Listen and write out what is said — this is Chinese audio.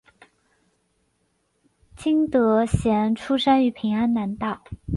金德贤出生于平安南道。